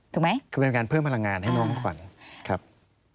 ถูกไหมครับคือเป็นการเพิ่มพลังงานให้น้องขวัญครับคือเป็นการเพิ่มพลังงานให้น้องขวัญครับ